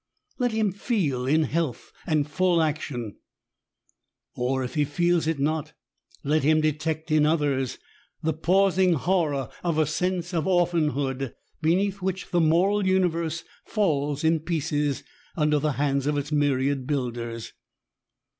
Let him feel in health and full action, — (or, if he feels it not, let him detect in others,) the paujsing horror of a sense of orphan hood, beneath which the moral universe falls in pieces under the hands of its myriad builders.